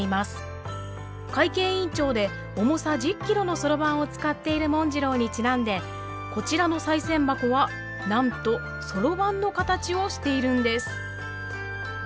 会計委員長で重さ１０キロのそろばんを使っている文次郎にちなんでこちらの賽銭箱はなんとそろばんの形をしているんです。